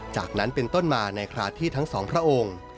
จากนั้นเป็นต้นมาในคราวที่ทั้งสองพระองค์